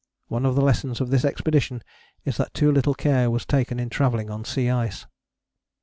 One of the lessons of this expedition is that too little care was taken in travelling on sea ice.